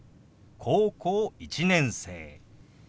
「高校１年生」。